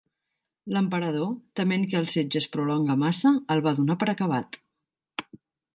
L'Emperador, tement que el setge es prolonga massa, el va donar per acabat.